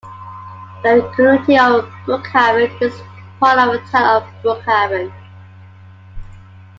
The community of Brookhaven is part of the Town of Brookhaven.